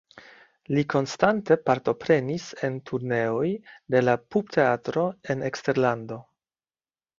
Li konstante partoprenis en turneoj de la Pupteatro en eksterlando.